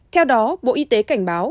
theo đó bộ y tế cảnh báo